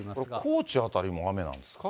高知辺りも雨なんですか。